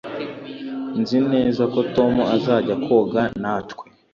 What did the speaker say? Nzi neza ko Tom azajya koga natwe